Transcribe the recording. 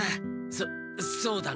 そそうだな。